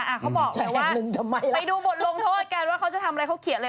เขาบอกไงว่าไปดูบทลงโทษกันว่าเขาจะทำอะไรเขาเขียนอะไร